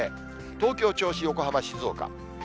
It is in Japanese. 東京、銚子、横浜、静岡。